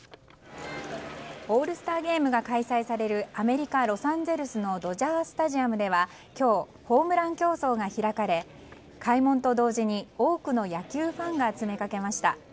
オールスターゲームが開催されるアメリカ・ロサンゼルスのドジャースタジアムでは今日、ホームラン競争が開かれ開門と同時に多くの野球ファンが詰めかけました。